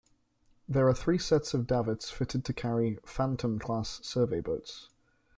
There are three sets of davits fitted to carry "Fantome"-class survey boats.